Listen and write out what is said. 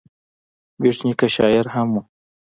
بېټ نیکه شاعر هم و.